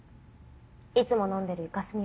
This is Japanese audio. いつも飲んでるイカスミ